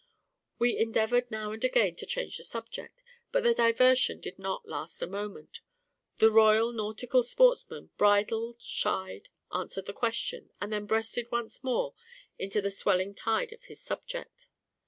We endeavoured now and again to change the subject; but the diversion did not last a moment: the Royal Nautical Sportsman bridled, shied, answered the question, and then breasted once more into the swelling tide of his subject.